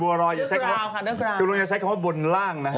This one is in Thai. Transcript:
บัวลอยตกลงจะใช้คำว่าบนร่าง